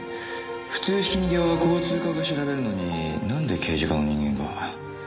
普通ひき逃げは交通課が調べるのになんで刑事課の人間が。